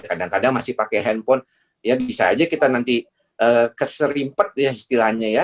kadang kadang masih pakai handphone ya bisa aja kita nanti keserimpet ya istilahnya ya